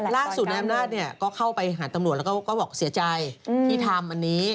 ล่าสุดในอำนาจก็เข้าไปหาตำรวจแล้วก็บอกเสียใจที่ทำอันนี้